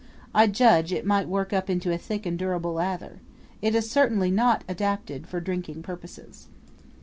I judge it might work up into a thick and durable lather. It is certainly not adapted for drinking purposes.